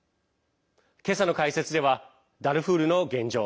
今朝の解説ではダルフールの現状